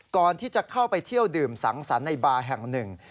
ก่อนที่จะเข้าไปเที่ยวดื่มสังสรรค์ในบาร์แห่งหนึ่ง